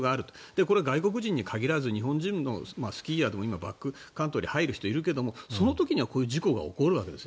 これ、外国人に限らず日本人のスキーヤーでも今バックカントリー入る人いるけれどもその時にはこういう事故が起きるわけです。